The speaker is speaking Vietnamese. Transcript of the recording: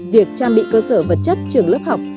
việc trang bị cơ sở vật chất trường lớp học